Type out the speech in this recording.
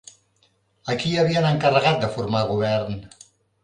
A qui havien encarregat de formar govern?